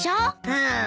うん。